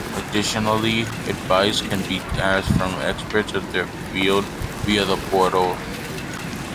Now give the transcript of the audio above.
Additionally, advice can be asked from experts of their field via the portal.